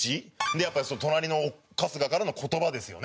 やっぱり隣の春日からの言葉ですよね。